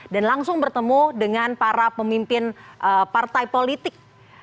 langsung bertemu dengan para pemimpin partai politik